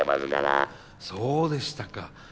そうでしたか。